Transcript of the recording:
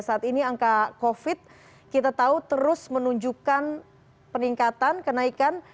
saat ini angka covid kita tahu terus menunjukkan peningkatan kenaikan